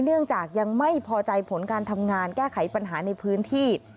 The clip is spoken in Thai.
เนื่องจากยังไม่พอใจผลการทำงานแก้ไขปัญหาในพื้นที่